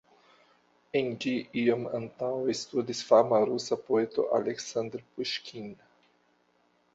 En ĝi iom antaŭe studis fama rusa poeto Aleksandr Puŝkin.